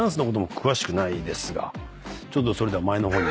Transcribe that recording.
ちょっとそれでは前の方に。